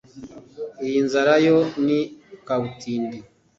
Iyi nzara yo ni kabutindi